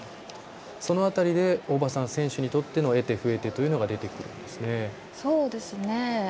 その辺りで大場さん選手にとっての得手不得手というのが出てくるんですね。